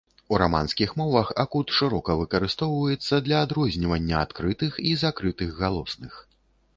У раманскіх мовах акут шырока выкарыстоўваецца для адрознівання адкрытых і закрытых галосных.